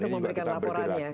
itu memberikan laporannya